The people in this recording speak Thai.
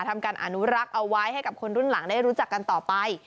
ทำการอนุรักษ์เอาไว้ให้กับคนรุ่นหลังได้รู้จักกันต่อไป